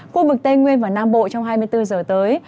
khu vực tây nguyên và nam bộ trong hai mươi bốn giờ tới